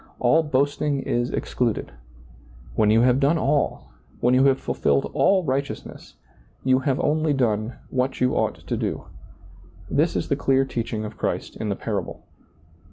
All boasting is excluded. When you have done all, when you have fulfilled all righteousness, you have only done what you ought to do. This is the clear teaching of Christ in the parable.